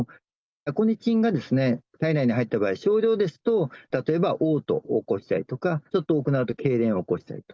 アコニチンが体内に入った場合、症状ですと、例えばおう吐を起こしたりとか、ちょっと多くなると、けいれんを起こしたりと。